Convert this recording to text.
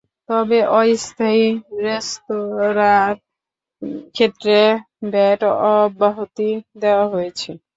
তবে অস্থায়ী রেস্তোরাঁর ক্ষেত্রে ভ্যাট অব্যাহতি দেওয়া হয়েছে।